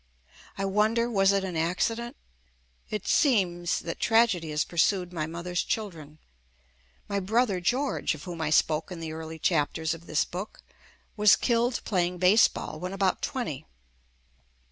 I wonder was it an accident? It seems that tragedy has pur sued my mother's children. My brother, George, of whom I spoke in the early chapters of this book, was killed playing baseball when about twenty.